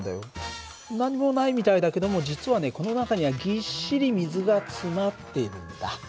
何もないみたいだけども実はねこの中にはぎっしり水が詰まってるんだ。